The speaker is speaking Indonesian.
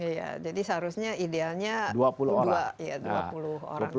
iya jadi seharusnya idealnya dua puluh orang